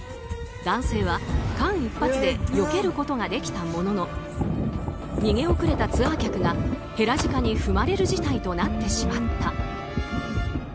男性は間一髪でよけることができたものの逃げ遅れたツアー客がヘラジカに踏まれる事態となってしまった。